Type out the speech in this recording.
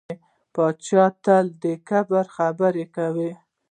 پاچا تل د کبر خبرې کوي .